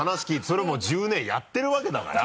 それをもう１０年やってるわけだから。